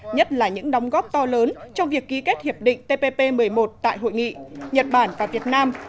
nhất là những đóng góp to lớn trong việc ký kết hiệp định tpp một mươi một tại hội nghị nhật bản và việt nam